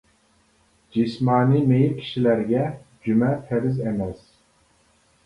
جىسمانىي مېيىپ كىشىلەرگە جۈمە پەرز ئەمەس.